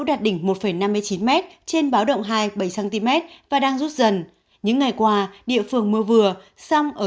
tràn là một năm mươi chín m trên báo động hai bảy cm và đang rút dần những ngày qua địa phường mưa vừa song ở